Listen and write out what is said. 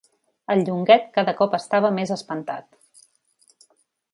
El Llonguet cada cop estava més espantat.